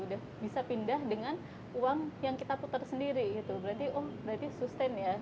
sudah bisa pindah dengan uang yang kita putar sendiri berarti sustain ya